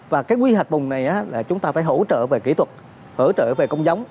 và cái quy hạch bùng này là chúng ta phải hỗ trợ về kỹ thuật hỗ trợ về công giống